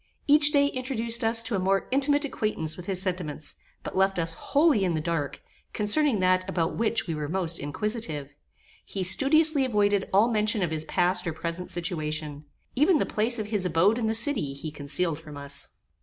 Each day introduced us to a more intimate acquaintance with his sentiments, but left us wholly in the dark, concerning that about which we were most inquisitive. He studiously avoided all mention of his past or present situation. Even the place of his abode in the city he concealed from us.